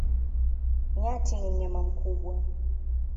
Nyati ni mnyama mkubwa.